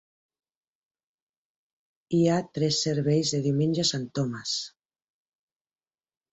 Hi ha tres serveis de diumenge a St. Thomas.